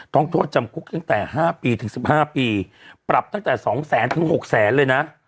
โทษจำคุกตั้งแต่๕ปีถึง๑๕ปีปรับตั้งแต่๒แสนถึง๖แสนเลยนะ